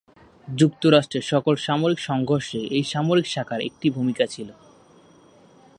যুক্তরাষ্ট্রের সকল সামরিক সংঘর্ষে এই সামরিক শাখার একটি ভূমিকা ছিলো।